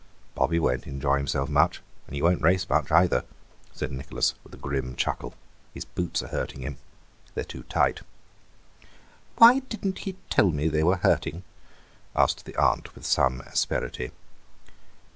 "Bobby won't enjoy himself much, and he won't race much either," said Nicholas with a grim chuckle; "his boots are hurting him. They're too tight." "Why didn't he tell me they were hurting?" asked the aunt with some asperity.